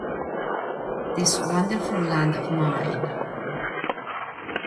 This wonderful land of mine.